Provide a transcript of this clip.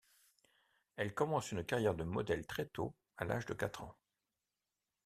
Elle commence une carrière de modèle très tôt, à l'âge de quatre ans.